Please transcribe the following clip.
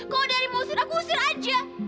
kalau dadi mau usir aku usir aja